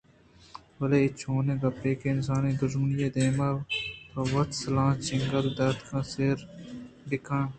بلے اے چونیں گپّے کہ اِنسانءِ دژمنی ءِ دیما تووتی سِلاہاناں چگل داتگ؟ ساحِر ءُ بِکّ